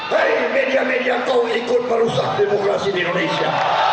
baik media media kau ikut merusak demokrasi di indonesia